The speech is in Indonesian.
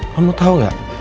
kamu tau gak